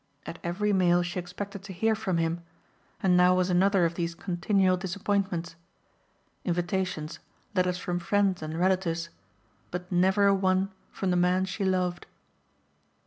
At every mail she expected to hear from him and now was another of these continual disappointments. Invitations, letters from friends and relatives, but never a one from the man she loved.